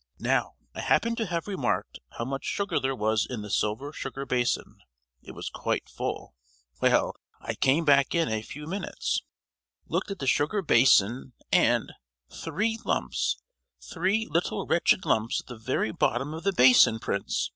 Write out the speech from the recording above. Now, I happened to have remarked how much sugar there was in the silver sugar basin; it was quite full. Well, I came back in a few minutes—looked at the sugar basin, and!——three lumps—three little wretched lumps at the very bottom of the basin, prince!